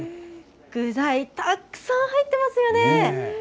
具材たくさん入ってますよね。